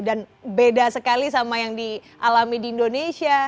dan beda sekali sama yang dialami di indonesia